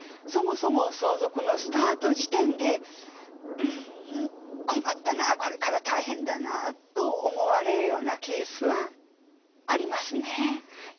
そもそも相続のスタート地点で「うん困ったな。これから大変だな」と思われるようなケースはありますね。